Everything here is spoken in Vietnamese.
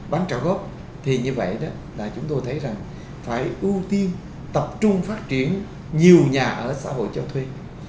bán trả gốc thì như vậy đó là chúng tôi thấy rằng phải ưu tiên tập trung phát triển nhiều nhà ở xã hội cho thuê